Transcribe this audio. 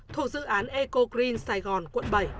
thuộc dự án eco green sài gòn quận bảy